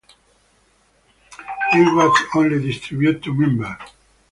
It was only distributed to members.